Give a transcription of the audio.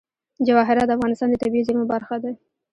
جواهرات د افغانستان د طبیعي زیرمو برخه ده.